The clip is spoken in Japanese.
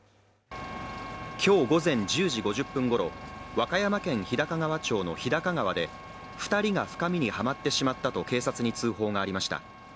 今日午前１０時５０分ごろ、和歌山県和歌山市日高川町の日高川で２人が深みにはまってしまったと警察に通報がありました。